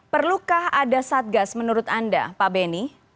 perlukah ada satgas menurut anda pak beni